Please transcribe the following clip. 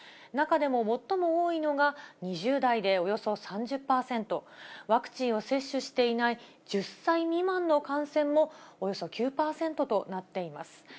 中でも最も多いのが２０代でおよそ３０％、ワクチンを接種していない１０歳未満の感染も、およそ９％となっています。